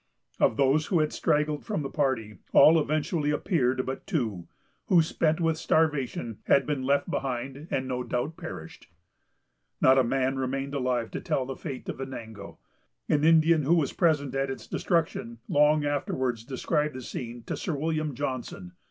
Of those who had straggled from the party, all eventually appeared but two, who, spent with starvation, had been left behind, and no doubt perished. Not a man remained alive to tell the fate of Venango. An Indian, who was present at its destruction, long afterwards described the scene to Sir William Johnson.